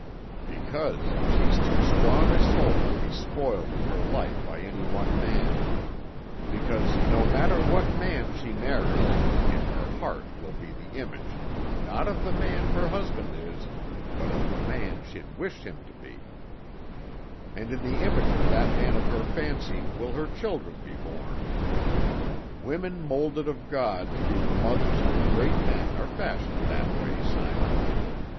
"Because she's too strong a soul to be spoiled of her life by any one man; because no matter what man she marries, in her heart will be the image, not of the man her husband is, but of the man she'd wish him to be, and in the image of that man of her fancy will her children be born. Women moulded of God to be the mothers of great men are fashioned that way, Simon.